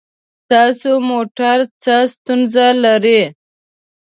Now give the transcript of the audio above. ستاسو موټر څه ستونزه لري؟